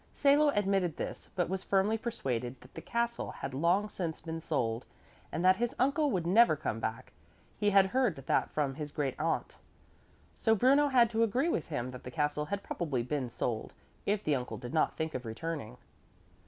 Salo admitted this but was firmly persuaded that the castle had long since been sold and that his uncle would never come back, he had heard that from his great aunt. So Bruno had to agree with him that the castle had probably been sold, if the uncle did not think of returning.